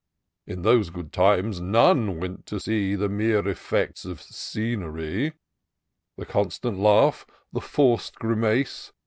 In those good times none went to see The mere effects of scenery ; The constant laugh, the forc'd grimace.